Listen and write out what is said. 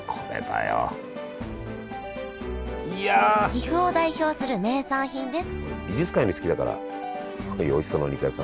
岐阜を代表する名産品です